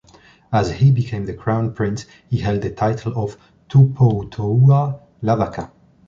As he became the Crown Prince, he held the title of Tupoutoʻa Lavaka.